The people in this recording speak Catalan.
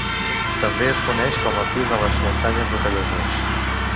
També es coneix com a pi de les muntanyes Rocalloses.